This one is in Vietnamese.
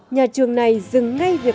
nhà trường này là một trường đặc biệt